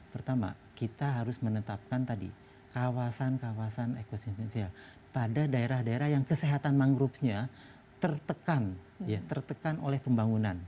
pertama kita harus menetapkan tadi kawasan kawasan ekosisensial pada daerah daerah yang kesehatan mangrovenya tertekan oleh pembangunan